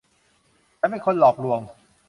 ฉันเป็นคนหลอกลวง